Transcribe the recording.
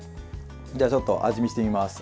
では、ちょっと味見してみます。